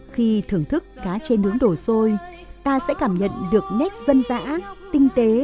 khi thưởng thức cá chê nướng đổ xôi ta sẽ kết thúc món ăn